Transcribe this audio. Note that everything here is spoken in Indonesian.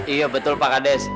iya betul pak kades